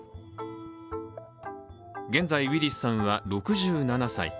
現在、ウィリスさんは６７歳。